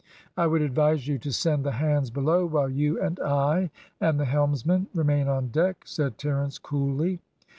"I would advise you to send the hands below while you and I and the helmsman remain on deck," said Terence coolly.